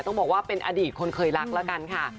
ต้องบอกว่าเป็นอดีตคนเคยรักแล้วกันค่ะ